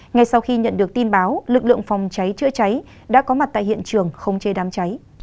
ngay sau khi nhận được tin báo lực lượng phòng cháy chữa cháy đã có mặt tại hiện trường không chế đám cháy